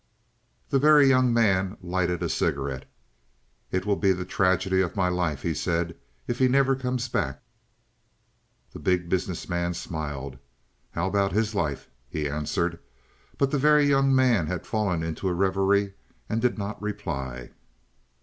The Very Young Man lighted a cigarette. "It will be the tragedy of my life," he said, "if he never comes back." The Big Business Man smiled. "How about his life?" he answered, but the Very Young Man had fallen into a reverie and did not reply.